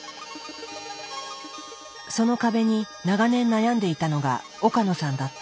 その壁に長年悩んでいたのが岡野さんだった。